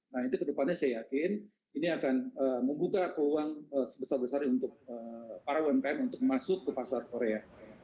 nah itu kedepannya saya yakin ini akan membuka peluang sebesar besar untuk para umkm untuk masuk ke pasar korea